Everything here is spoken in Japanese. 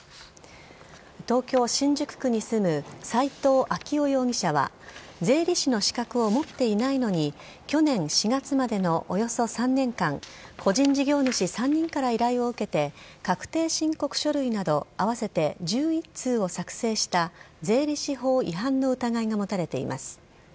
東京・新宿区に住む斉藤明雄容疑者は税理士の資格を持っていないのに去年４月までのおよそ３年間個人事業主３人から依頼を受けて確定申告書類など合わせて１１通を作成した税理士法違反の疑いが持たれています。